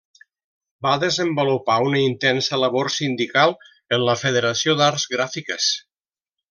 Va desenvolupar una intensa labor sindical en la Federació d'Arts Gràfiques.